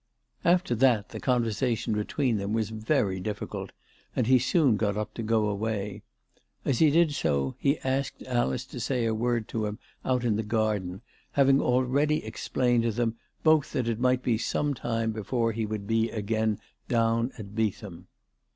After that the conversation between them was very difficult, and he soon got up to go away. As he did so, he asked Alice to say a word to him out in the garden, having already explained to them both that it might be some time before he would be again down at Beetham.